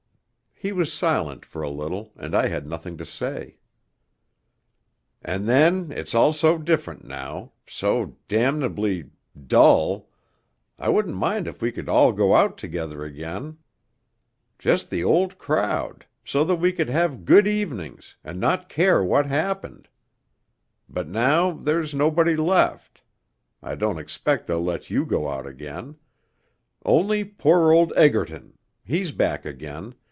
He was silent for a little, and I had nothing to say. 'And then it's all so different now, so damnably ... dull.... I wouldn't mind if we could all go out together again ... just the Old Crowd ... so that we could have good evenings, and not care what happened. But now there's nobody left (I don't expect they'll let you go out again), only poor old Egerton he's back again